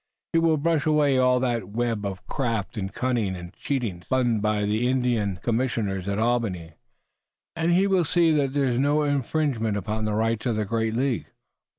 He will brush away all that web of craft, and cunning and cheating, spun by the Indian commissioners at Albany, and he will see that there is no infringement upon the rights of the great League."